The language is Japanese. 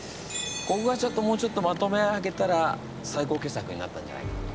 ここはちょっともうちょっとまとめ上げたら最高傑作になったんじゃないかなと。